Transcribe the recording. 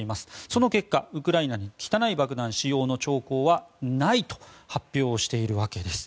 その結果、ウクライナに汚い爆弾使用の兆候はないと発表しているわけです。